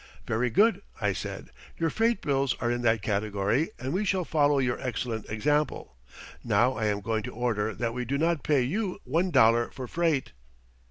"Very good," I said, "your freight bills are in that category and we shall follow your excellent example. Now I am going to order that we do not pay you one dollar for freight."